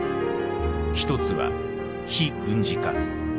１つは非軍事化。